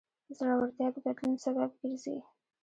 زړورتیا د بدلون سبب ګرځي.